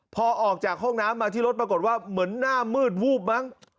พอออกจากห้องน้ำมาที่รถปรากฏว่าเหมือนหน้ามืดวูบมั้ง